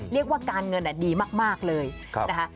เรียกว่าการเงินดีมากเลยนะคะ